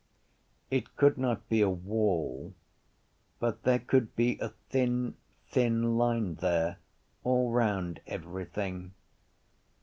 It could not be a wall but there could be a thin thin line there all round everything.